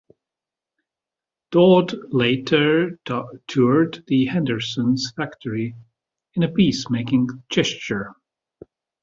Dowd later toured the Henderson's factory in a peace-making gesture.